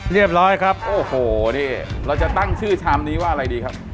เรียบร้อยครับโอ้โหนี่เราจะตั้งชื่อชามนี้ว่าอะไรดีครับ